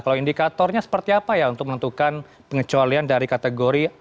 kalau indikatornya seperti apa ya untuk menentukan pengecualian dari kategori